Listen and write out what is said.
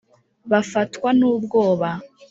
Bafatwa n ubwoba